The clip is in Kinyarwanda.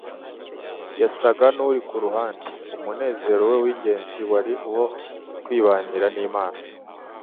Yasaga n'uri ku ruhande. Umunezero we w'ingenzi wari uwo kwibanira n'Imana,